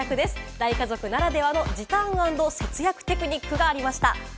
大家族ならではの時短と節約テクニックがありました。